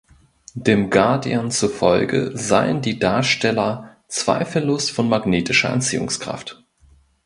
Dem "Guardian" zufolge seien die Darsteller „zweifellos von magnetischer Anziehungskraft“.